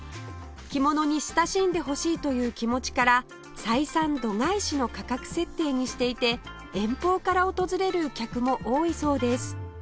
着物に親しんでほしいという気持ちから採算度外視の価格設定にしていて遠方から訪れる客も多いそうです